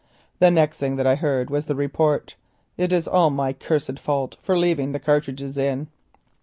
The next thing that I heard was the report. It is all my cursed fault for leaving the cartridges in."